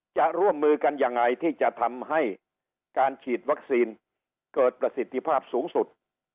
จะร่วมมือกันยังไงที่จะทำให้การฉีดวัคซีนเกิดประสิทธิภาพสูงสุด